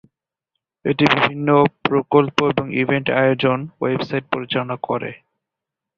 এটি বিভিন্ন প্রকল্প এবং ইভেন্ট আয়োজন, ওয়েবসাইট পরিচালনা করে।